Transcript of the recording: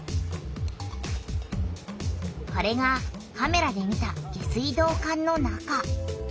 これがカメラで見た下水道管の中。